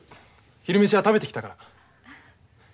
昼飯は食べてきたから。